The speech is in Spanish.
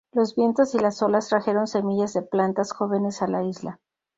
Los vientos y las olas trajeron semillas de plantas jóvenes a la isla.